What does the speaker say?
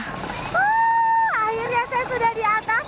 akhirnya saya sudah di atas